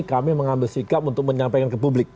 kami mengambil sikap untuk menyampaikan ke publik